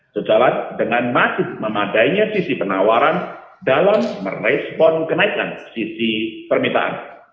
sejalan dengan masih memadainya sisi penawaran dalam merespon kenaikan sisi permintaan